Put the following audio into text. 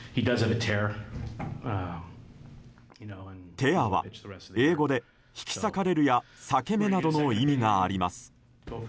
「ｔｅａｒ」は英語で引き裂かれるや裂け目などの意味があります。